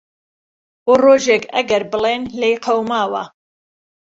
بۆ رۆژێک ئەگەر بڵێن لیێ قەوماوە.